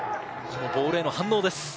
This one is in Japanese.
このボールへの反応です。